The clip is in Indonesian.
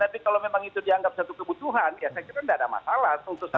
tapi kalau memang itu dianggap satu kebutuhan ya saya kira tidak ada masalah